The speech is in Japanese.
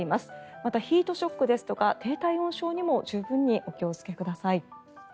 また、ヒートショックですとか低体温症にもご注意ください。